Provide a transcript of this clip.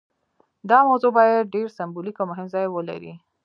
دا موضوع باید ډیر سمبولیک او مهم ځای ولري.